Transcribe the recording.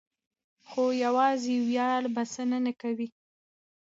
خو یوازې ویاړ بسنه نه کوي.